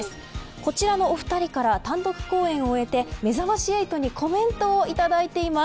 こちらのお二人から単独公演を終えてめざまし８にコメントを頂いています。